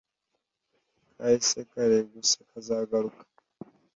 Kahise kare gusa kazagaruka